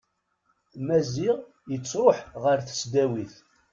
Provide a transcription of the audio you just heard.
Maziɣ yettruḥ ɣer tesdawit.